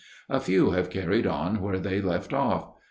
A few have carried on where they left off.